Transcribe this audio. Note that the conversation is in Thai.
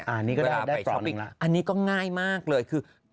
อันนี้ก็ได้กรอบอีกแล้วอันนี้ก็ง่ายมากเลยคือ